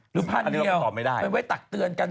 หรือพันเหี่ยวมันไว้ตักเตือนกัน